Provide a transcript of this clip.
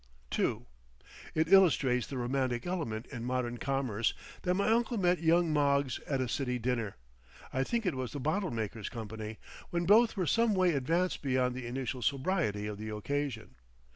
II It illustrates the romantic element in modern commerce that my uncle met young Moggs at a city dinner—I think it was the Bottle makers' Company—when both were some way advanced beyond the initial sobriety of the occasion.